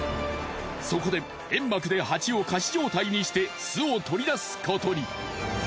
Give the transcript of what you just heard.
そこで煙幕でハチを仮死状態にして巣を取り出すことに。